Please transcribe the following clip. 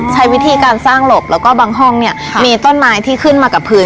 ใช้วิธีการสร้างหลบแล้วก็บางห้องเนี่ยมีต้นไม้ที่ขึ้นมากับพื้น